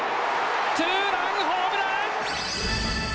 ツーランホームラン！